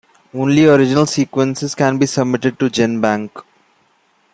Only original sequences can be submitted to GenBank.